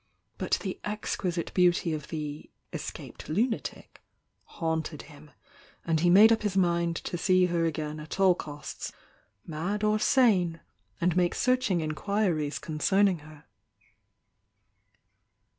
But the exq isite beauty of Qie "escaped lunatic" haunted him, and he made up his mind to see her again at all costs, mad or sane, and make searching inquiries concerning her.